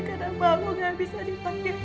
kenapa aku gak bisa dipakai untuk bahagia